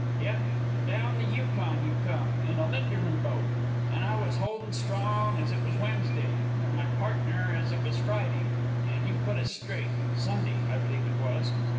Yep, an' down the Yukon you come, in a Linderman boat. An' I was holdin' strong, ez it was Wednesday, an' my pardner ez it was Friday, an' you put us straight Sunday, I b'lieve it was.